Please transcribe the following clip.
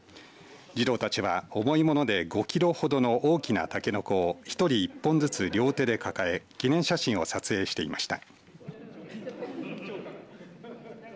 児童たちは重いもので５キロほどの大きなたけのこを１人１本ずつ両手で抱え記念撮影をしていました。